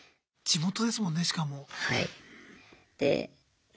地元ですもんねしかも。